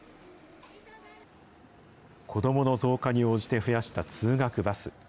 子どもの増加に応じて増やした通学バス。